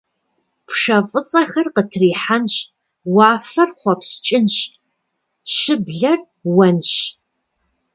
Пшэ фӏыцӏэхэр къытрихьэнщ, уафэр хъуэпскӏынщ, щыблэр уэнщ.